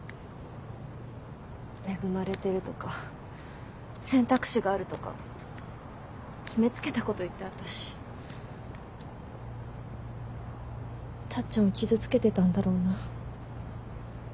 恵まれてるとか選択肢があるとか決めつけたこと言って私タッちゃんを傷つけてたんだろうな。